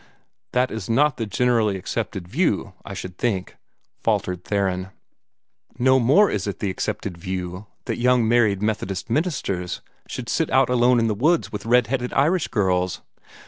"That is not the generally accepted view, I should think," faltered Theron. "No more is it the accepted view that young married Methodist ministers should sit out alone in the woods with red headed Irish girls.